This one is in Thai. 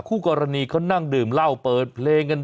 คู่กรณีเขานั่งดื่มเหล้าเปิดเพลงกัน